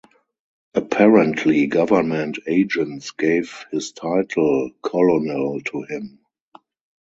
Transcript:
Apparently Government agents gave his title, "Colonel," to him.